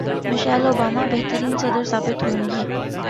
Michel Obama بہترین صدر ثابت ہوں گی